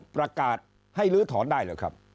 ประกาศให้ลื้อถอนได้หรือครับ